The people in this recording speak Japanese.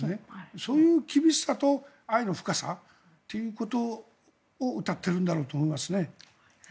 そういう厳しさと愛の深さということを歌っているんだろうと思いますね。